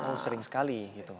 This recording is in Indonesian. oh sering sekali gitu